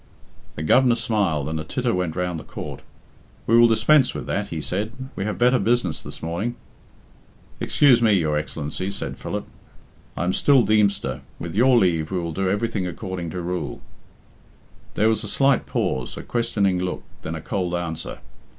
The Governor smiled, and a titter went round the court. "We will dispense with that," he said. "We have better business this morning." 34 "Excuse me, your Excellency," said Philip; "I am still Deemster. With your leave we will do everything according to rule." There was a slight pause, a questioning look, then a cold answer.